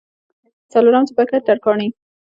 څلورم څپرکی: ترکاڼي